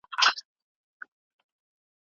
اقتصادي وده د بېکارۍ کچه راټیټوي.